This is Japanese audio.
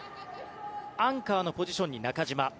アンカーのポジションに中島。